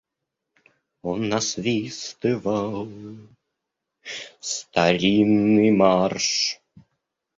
Он насвистывал старинный марш.